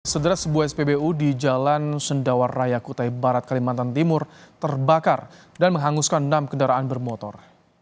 sedera sebuah spbu di jalan sendawar raya kutai barat kalimantan timur terbakar dan menghanguskan enam kendaraan bermotor